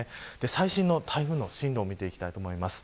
最新の台風の進路を見ていきたいと思います。